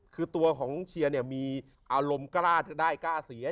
คือตัวของเชียร์เนี่ยมีอารมณ์กล้าจะได้กล้าเสีย